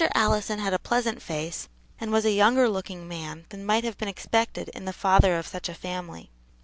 Allison had a pleasant face, and was a younger looking man than might have been expected in the father of such a family.